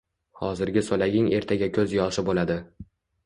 Hozirgi so`laging ertaga ko`z yoshi bo`ladi